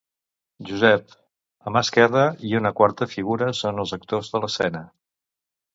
Josep, a mà esquerra, i una quarta figura són els actors de l'escena.